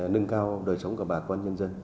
nâng cao đời sống của bà con nhân dân